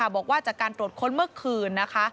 บอกว่าจากการตรวจค้นเมื่อคืน